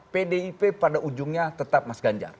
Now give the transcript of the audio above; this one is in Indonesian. pdip pada ujungnya tetap mas ganjar